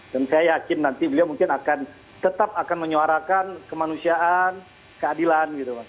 dan saya yakin nanti beliau mungkin akan tetap akan menyuarakan kemanusiaan keadilan gitu mas